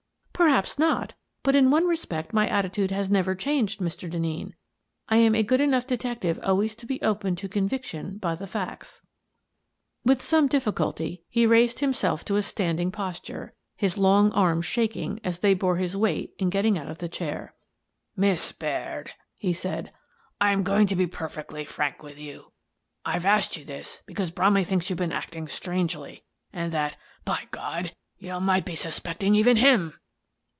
" Perhaps not, but in one respect my attitude has never changed, Mr. Denneen; I am a good enough detective always to be open to conviction by the facts." With some difficulty, he raised himself to a stand My Friend, the Thief 235 ing posture, his long arms shaking as they bore his weight in getting out of the chair. " Miss Baird," he said, " I'm going to be per fectly frank with you. I've asked you this because Bromley thinks you've been acting strangely, and that — by God! — you might be suspecting even him."